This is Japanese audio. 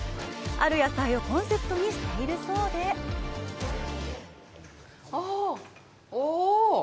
ある野菜をコンセプトにしているそうであぁ、おぉ！